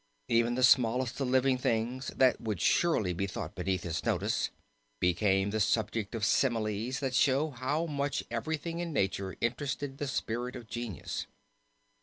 Even the smallest of living things, that would surely be thought beneath his notice, became the subject of similies that show how much everything in nature interested the spirit of genius.